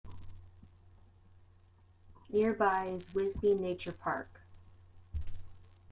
Nearby is Whisby Nature Park.